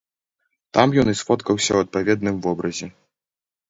Там ён і сфоткаўся ў адпаведным вобразе.